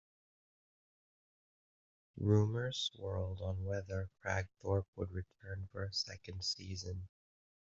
Rumors swirled on whether Kragthorpe would return for a second season.